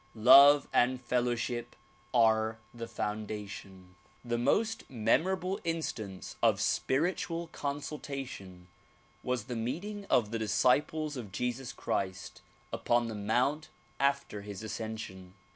Love and fellowship are the foundation. The most memorable instance of spiritual consultation was the meeting of the disciples of Jesus Christ upon the mount after his ascension.